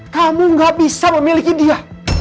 kamu gak bisa memiliki dia